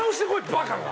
バカが！